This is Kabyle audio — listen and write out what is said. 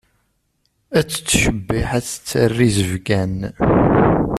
Ad tettcebbiḥ ad tettarra izebgan.